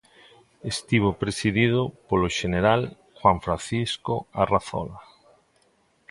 Estivo presidido polo xeneral Juan Francisco Arrazola.